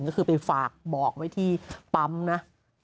ก็คือไปฝากบอกไว้ที่ปั๊มนะ